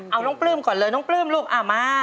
เอาน้องปลื้มก่อนเลยน้องปลื้มลูกเอามา